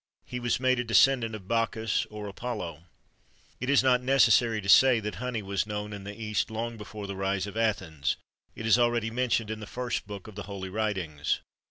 He was made a descendant of Bacchus or Apollo.[XXIII 48] It is not necessary to say that honey was known in the east long before the rise of Athens; it is already mentioned in the first book of the holy writings.